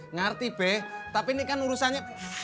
ngerti beh tapi ini kan urusannya